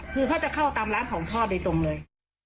คือเขาจะเข้าตามร้านของทอดโดยตรงเลย